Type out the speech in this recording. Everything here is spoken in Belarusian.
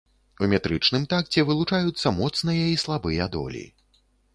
У метрычным такце вылучаюцца моцныя і слабыя долі.